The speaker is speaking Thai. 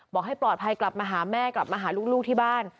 บอกให้ปลอดภัยกลับมาหาแม่กลับมาหาลูกที่บ้าน